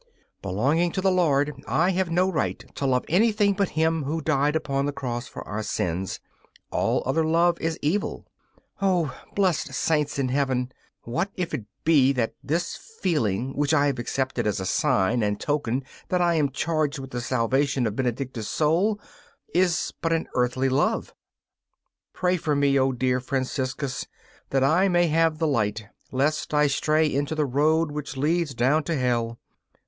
Belonging to the Lord, I have no right to love anything but Him who died upon the cross for our sins all other love is evil. O blessed Saints in Heaven! what if it be that this feeling which I have accepted as a sign and token that I am charged with the salvation of Benedicta's soul is but an earthly love? Pray for me, O dear Franciscus, that I may have the light, lest I stray into the road which leads down to Hell.